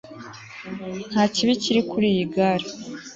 nta kibi kiri kuri iyi gare